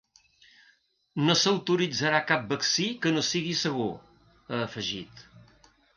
“No s’autoritzarà cap vaccí que no sigui segur”, ha afegit.